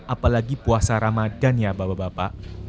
apalagi puasa ramadan ya bapak bapak